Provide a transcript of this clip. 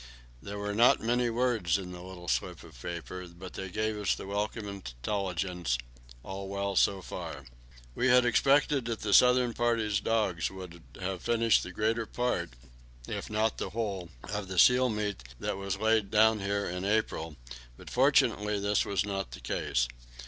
There were not many words on the little slip of paper, but they gave us the welcome intelligence: "All well so far." We had expected that the southern party's dogs would have finished the greater part, if not the whole, of the seal meat that was laid down here in April; but fortunately this was not the case.